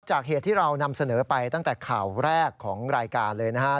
เหตุที่เรานำเสนอไปตั้งแต่ข่าวแรกของรายการเลยนะครับ